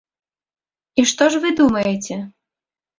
І што ж вы думаеце?